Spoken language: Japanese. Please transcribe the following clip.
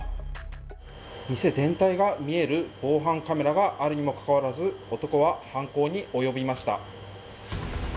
店全体が見える防犯カメラがあるにもかかわらず男は犯行に及びました。